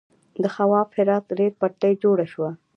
د خواف هرات ریل پټلۍ جوړه شوه.